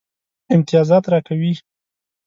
امتیازات راکوي.